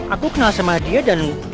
aku kenal sama dia dan